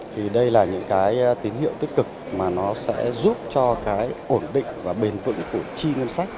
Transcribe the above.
thì đây là những cái tín hiệu tích cực mà nó sẽ giúp cho cái ổn định và bền vững của chi ngân sách